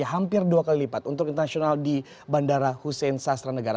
hampir dua kali lipat untuk internasional di bandara hussein sastra negara